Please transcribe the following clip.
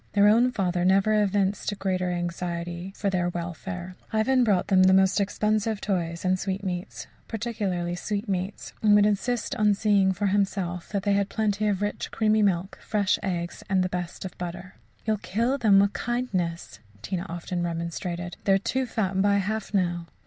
Their own father never evinced a greater anxiety for their welfare. Ivan brought them the most expensive toys and sweetmeats particularly sweetmeats and would insist on seeing for himself that they had plenty of rich, creamy milk, fresh eggs, and the best of butter. "You'll kill them with kindness," Tina often remonstrated. "They are too fat by half now."